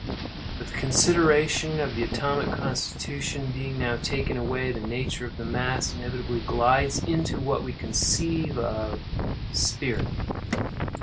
But the consideration of the atomic constitution being now taken away, the nature of the mass inevitably glides into what we conceive of spirit.